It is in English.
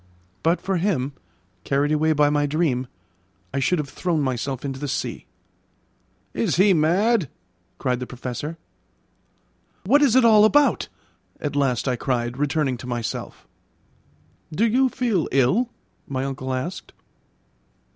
But for him, carried away by my dream, I should have thrown myself into the sea. "Is he mad?" cried the Professor. "What is it all about?" at last I cried, returning to myself. "Do you feel ill?" my uncle asked.